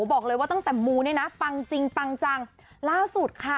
บอกเลยว่าตั้งแต่มูเนี่ยนะปังจริงปังจังล่าสุดค่ะ